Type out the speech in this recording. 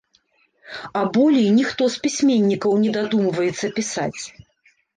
А болей ніхто з пісьменнікаў не дадумваецца пісаць.